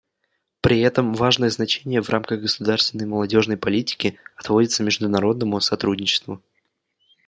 При этом важное значение в рамках государственной молодежной политики отводится международному сотрудничеству.